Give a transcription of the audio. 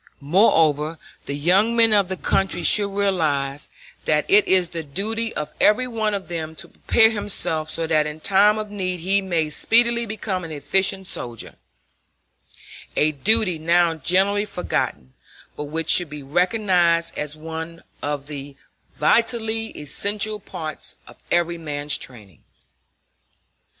Moreover, the young men of the country should realize that it is the duty of every one of them to prepare himself so that in time of need he may speedily become an efficient soldier a duty now generally forgotten, but which should be recognized as one of the vitally essential parts of every man's training.